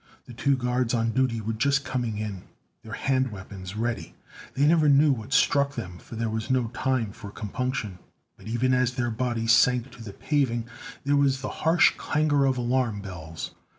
Two guards on duty were just coming in, their hand weapons ready. They never knew what struck them for there was no time for compunction. But even as their bodies sank to the paving there was the harsh clangor of alarm bells.